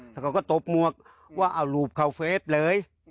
เขาก็ตบมวกว่าเอาหลูบเขาเฟฟเลย